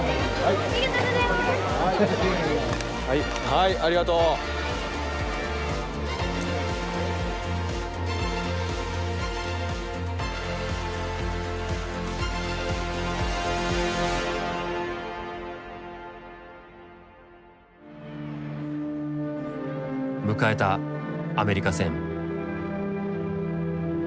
はいありがとう。迎えたアメリカ戦。